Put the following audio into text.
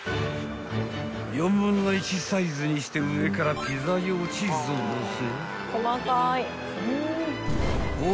［４分の１サイズにして上からピザ用チーズをのせ］